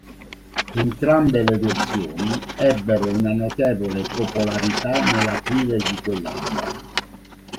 Entrambe le versioni ebbero una notevole popolarità nell'aprile di quell'anno.